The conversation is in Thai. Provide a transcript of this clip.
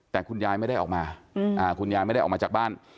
แต่คุณยายไม่ได้ออกมาคุณยายไม่ได้ออกมาจากบ้าน